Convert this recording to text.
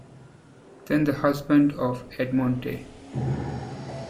Then, the husband of Edmonde.